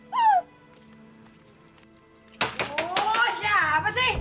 wuh siapa sih